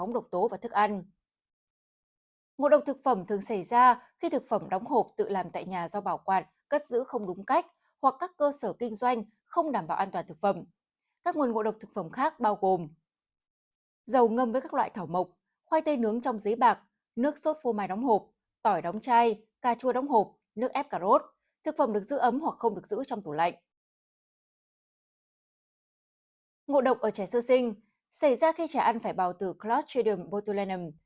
ngộ độc ở trẻ sơ sinh xảy ra khi trẻ ăn phải bào từ clostridium botulinum